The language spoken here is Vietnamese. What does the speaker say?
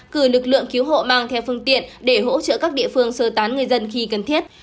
cử lực lượng cứu hộ mang theo phương tiện để hỗ trợ các địa phương sơ tán người dân khi cần thiết